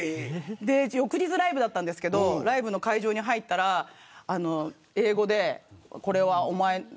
翌日ライブだったんですけどライブの会場に入ったら英語で、これはお前の。